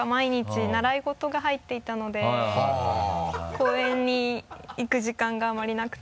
公園に行く時間があまりなくて。